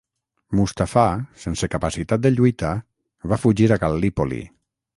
Mustafà sense capacitat de lluita va fugir a Gal·lípoli.